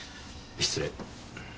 失礼。